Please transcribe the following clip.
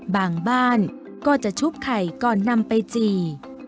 บ้านก็จะชุบไข่ก่อนนำไปจี่